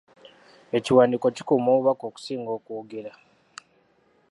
Ekiwandiiko kikuuma obubaka okusinga okwogera.